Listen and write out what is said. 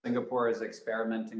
singapura sedang mencoba